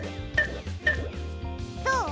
どう？